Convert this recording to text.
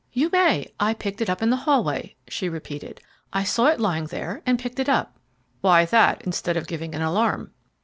"You may. I picked it up in the hallway," she repeated. "I saw it lying there and picked it up." "Why that, instead of giving an alarm?"